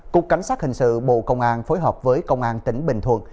cục cảnh sát hình sự bộ công an phối hợp với công an tỉnh bình thuận